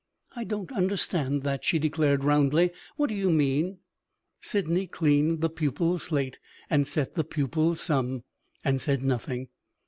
"I don't understand that," she declared roundly. "What do you mean?" Sydney cleaned the pupil's slate, and set the pupil's sum and said nothing.